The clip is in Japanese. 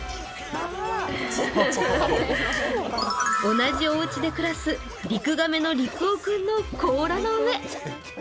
同じおうちで暮らすリクガメのリクオ君の甲羅の上。